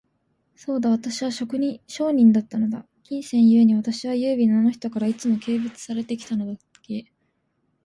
そうだ、私は商人だったのだ。金銭ゆえに、私は優美なあの人から、いつも軽蔑されて来たのだっけ。